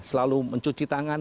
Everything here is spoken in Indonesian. selalu mencuci tangan